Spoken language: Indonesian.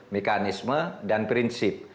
mekanisme dan prinsip